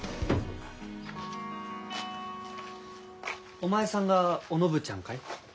お前さんがお信ちゃんかい？